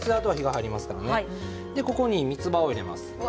ここに、みつばを入れます。